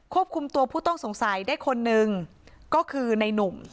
ควบคุมตัวผู้ต้องสงสัยได้คนหนึ่งก็คือในนุ่ม